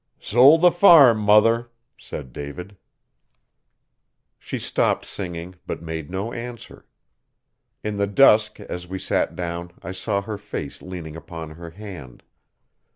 'Sold the farm, mother,' said David. She stopped singing but made no answer. In the dusk, as we sat down, I saw her face leaning upon her hand.